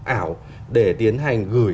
ảo để tiến hành gửi